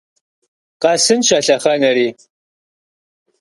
Къэсынщ а лъэхъэнэри!